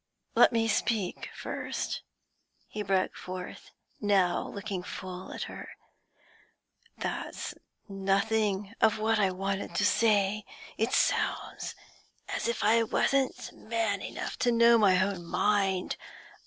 'Let me speak first,' he broke forth, now looking full at her. 'That's nothing of what I wanted to say; it sounds as if I wasn't man enough to know my own mind.